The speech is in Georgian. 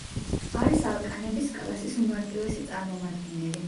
არის ალკანების კლასის უმარტივესი წარმომადგენელი.